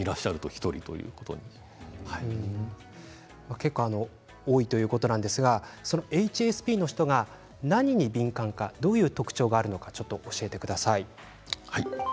結構多いということなんですがＨＳＰの人が何に敏感か、どういう特徴があるのか教えてください。